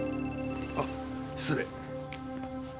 あっ失礼。